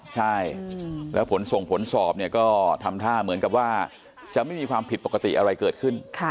ใช่แล้วผลส่งผลสอบเนี่ยก็ทำท่าเหมือนกับว่าจะไม่มีความผิดปกติอะไรเกิดขึ้น